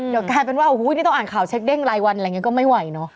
เดี๋ยวกลายเป็นว่าโอ้โหนี่ต้องอ่านข่าวเช็คเด้งรายวันอะไรอย่างนี้ก็ไม่ไหวเนอะ